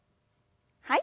はい。